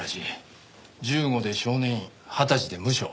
１５で少年院二十歳でムショ。